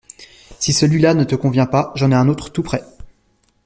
Si celui-là ne te convient pas, j’en ai un autre tout prêt…